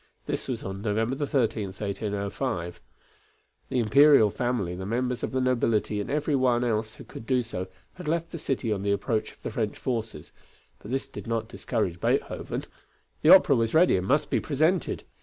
This was on November 13, 1805. The imperial family, the members of the nobility and every one else who could do so, had left the city on the approach of the French forces, but this did not discourage Beethoven. The opera was ready and must be presented.